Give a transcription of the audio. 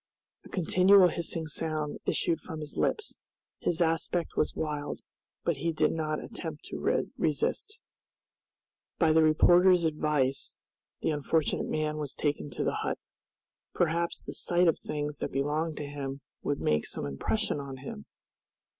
A continual hissing sound issued from his lips, his aspect was wild, but he did not attempt to resist. By the reporter's advice the unfortunate man was taken to the hut. Perhaps the sight of the things that belonged to him would make some impression on him!